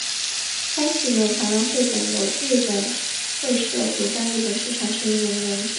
开启了台湾桧木经由日本三菱株式会社外销独占日本市场十余年的荣景。